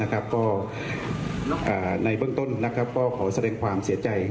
ก็ในเบื้องต้นก็ขอแสดงความเสียใจ